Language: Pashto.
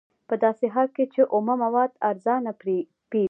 په داسې حال کې چې اومه مواد ارزانه پېري